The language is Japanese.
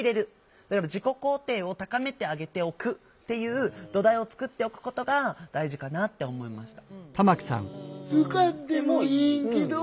だから自己肯定を高めてあげておくっていう土台を作っておくことが大事かなって思いました。